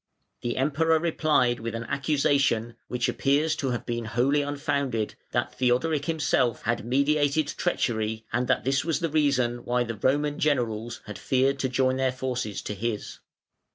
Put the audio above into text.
The Emperor replied with an accusation (which appears to have been wholly unfounded) that Theodoric himself had meditated treachery, and that this was the reason why the Roman generals had feared to join their forces to his.